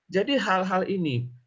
jadi hal hal ini